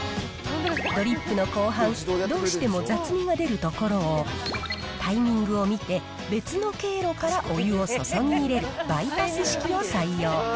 ドリップの後半、どうしても雑味が出るところを、タイミングを見て、別の経路からお湯を注ぎ入れるバイパス式を採用。